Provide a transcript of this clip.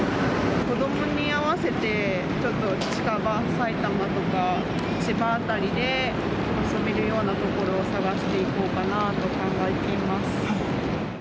子どもに合わせて、ちょっと近場、埼玉とか、千葉辺りで遊べるような所を探していこうかなと考えています。